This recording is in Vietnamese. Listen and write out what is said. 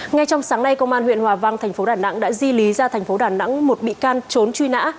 ngay trong sáng nay công an huyện hòa văn tp đà nẵng đã di lý ra tp đà nẵng một bị can trốn truy nã